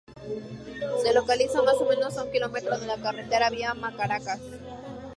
Se localiza más o menos a un kilómetro de la carretera Vía Macaracas.